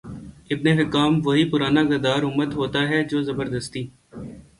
ابن حکام وہی پرانا غدار امت ہوتا ہے جو زبردستی